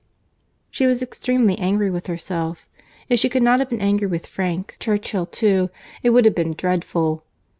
She was extremely angry with herself. If she could not have been angry with Frank Churchill too, it would have been dreadful.